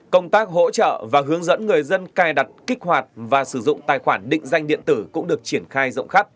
công tác hỗ trợ và hướng dẫn người dân cài đặt kích hoạt và sử dụng tài khoản định danh điện tử cũng được triển khai rộng khắp